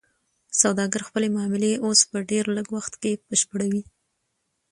سوداګر خپلې معاملې اوس په ډیر لږ وخت کې بشپړوي.